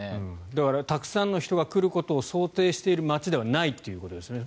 だからたくさんの人が来ることを想定している街ではないということですね。